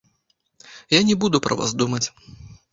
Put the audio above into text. Я не буду пра вас думаць.